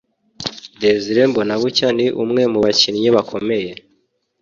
Desire Mbonabucya ni umwe mu bakinnyi bakomeye